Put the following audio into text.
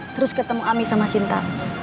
terus ketemu ami sama sinta